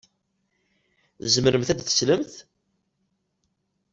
Tzemremt ad teslemt?